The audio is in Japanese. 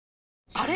あれ？